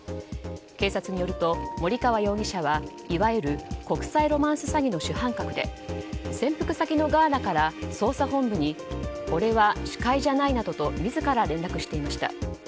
警察によると森川容疑者はいわゆる国際ロマンス詐欺の主犯格で潜伏先のガーナから捜査本部に俺は首魁じゃないなどと自ら連絡していました。